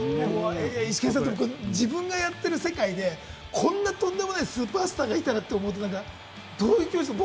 イシケンさん、自分がやってる世界でこんなとんでもないスーパースターがいたらって思うと、どういう気持ちですか？